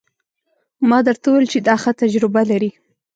ما درته وويل چې دا ښه تجربه لري.